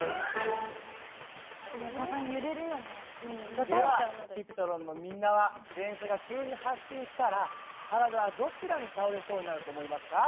ではＣｕｐｉｔｒｏｎのみんなは電車が急に発進したら体はどちらに倒れそうになると思いますか？